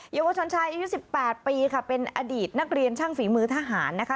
เยาวชนชายอายุ๑๘ปีค่ะเป็นอดีตนักเรียนช่างฝีมือทหารนะคะ